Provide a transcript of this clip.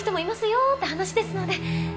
よって話ですので。